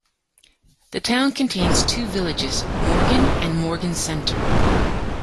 The town contains two villages: Morgan and Morgan Center.